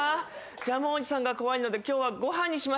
ジャムおじさんが怖いので今日はご飯にしました。